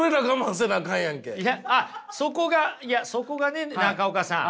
あっそこがそこがね中岡さん。